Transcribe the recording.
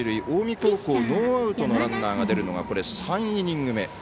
近江高校ノーアウトのランナーが出るのが３イニング目。